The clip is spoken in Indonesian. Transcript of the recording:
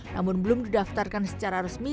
namun belum didaftarkan secara resmi